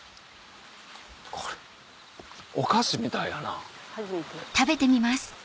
これお菓子みたいやな。